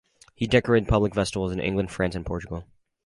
He decorated public festivals in England, France, and Portugal.